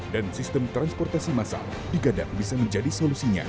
dan sistem transportasi masal digadang bisa menjadi solusinya